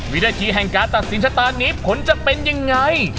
วินาทีแห่งการตัดสินชะตานี้ผลจะเป็นยังไง